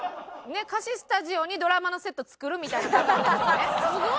貸しスタジオにドラマのセット作るみたいな感覚ですよね？